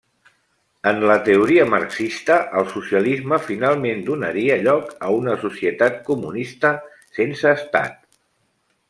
En la teoria marxista el socialisme finalment donaria lloc a una societat comunista sense estat.